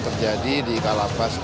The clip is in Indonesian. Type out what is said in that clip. terjadi di kala lapas